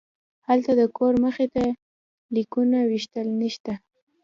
هلته د کور مخې ته د لیکونو ویشل نشته